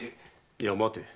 いや待て。